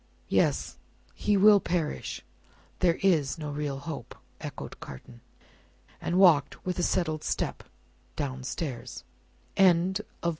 "Yes. He will perish: there is no real hope," echoed Carton. And walked with a settled step, down stairs. CHAPTER XII.